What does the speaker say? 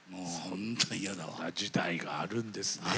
そんな時代があるんですね